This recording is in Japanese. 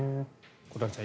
小谷さん